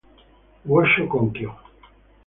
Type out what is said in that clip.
Wocho konkio.